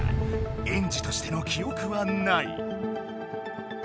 エンジとしての記憶はない。